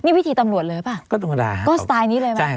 นี่วิธีตำรวจเลยหรือเปล่าก็สไตล์นี้เลยหรือเปล่า